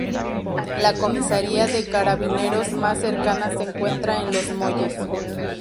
La comisaría de Carabineros más cercana se encuentra en Los Molles.